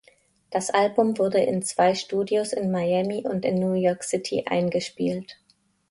Das Album wurde in zwei Studios in Miami und in New York City eingespielt.